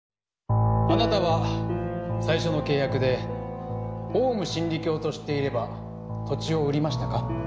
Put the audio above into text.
あなたは最初の契約でオウム真理教と知っていれば土地を売りましたか？